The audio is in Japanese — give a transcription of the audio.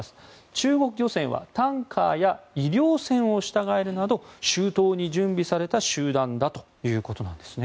中国漁船はタンカーや医療船を従えるなど周到に準備された集団だということですね。